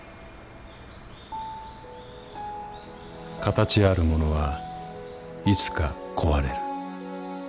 形あるものはいつか壊れる。